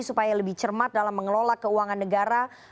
supaya lebih cermat dalam mengelola keuangan negara